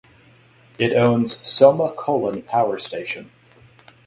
It owns Soma Kolin power station.